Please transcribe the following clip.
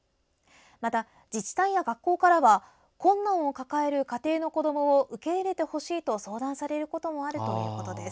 また、自治体や学校からは困難を抱える家庭の子どもを受け入れてほしいと相談されることもあるということです。